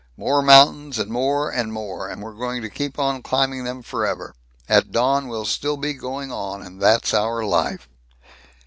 "More mountains, and more, and more, and we're going to keep on climbing them forever. At dawn, we'll still be going on. And that's our life."